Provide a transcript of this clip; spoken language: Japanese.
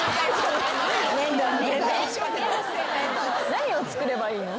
何を作ればいいの？